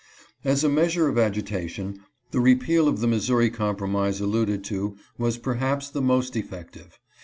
As a measure of agitation, the repeal of the Missouri Compromise alluded to was perhaps the most effective.